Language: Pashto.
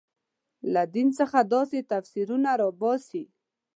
له دین څخه داسې تفسیرونه راباسي.